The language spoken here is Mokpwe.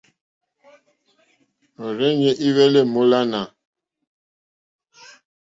Òrzìɲɛ́ î hwɛ́lɛ́ èmólánà.